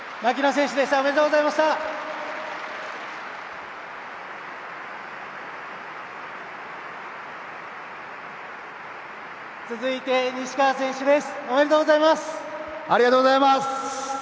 ありがとうございます！